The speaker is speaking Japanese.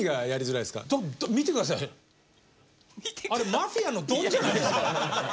マフィアのドンじゃないですか。